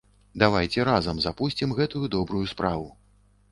Давайце разам запусцім гэтую добрую справу.